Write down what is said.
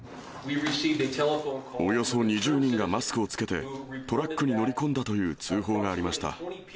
およそ２０人がマスクを着けて、トラックに乗り込んだという通報がありました。